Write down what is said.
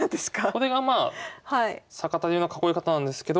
これがまあ坂田流の囲い方なんですけど。